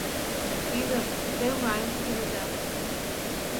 Ӱдыр, те оҥайын кутыреда.